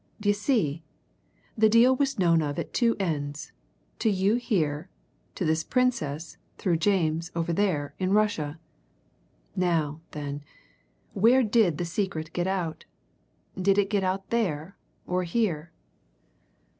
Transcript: D'ye see, the deal was known of at two ends to you here, to this Princess, through James, over there, in Russia. Now, then, where did the secret get out? Did it get out there, or here?"